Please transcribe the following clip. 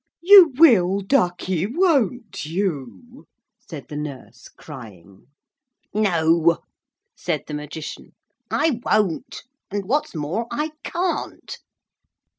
'You will, ducky, won't you?' said the nurse, crying. 'No,' said the Magician, 'I won't; and what's more, I can't.'